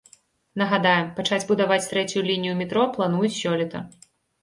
Нагадаем, пачаць будаваць трэцюю лінію метро плануюць сёлета.